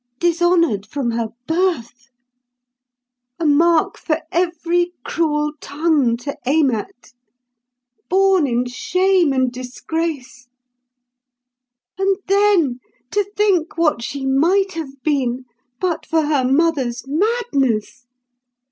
Dishonoured from her birth! A mark for every cruel tongue to aim at! Born in shame and disgrace! And then, to think what she might have been, but for her mother's madness!